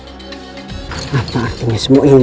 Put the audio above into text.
apa artinya sebuah ilmu